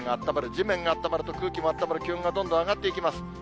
地面があったまると空気もあったまる、気温がどんどん上がっていきます。